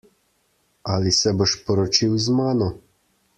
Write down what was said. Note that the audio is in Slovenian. Ali se boš poročil z mano?